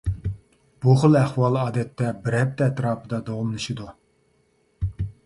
بۇ خىل ئەھۋال ئادەتتە بىر ھەپتە ئەتراپىدا داۋاملىشىدۇ.